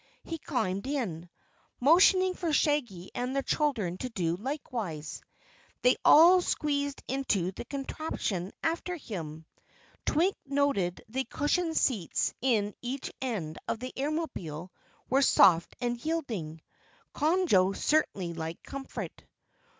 He climbed in, motioning for Shaggy and the children to do likewise. They all squeezed into the contraption after him. Twink noted the cushioned seats in each end of the Airmobile were soft and yielding Conjo certainly liked comfort.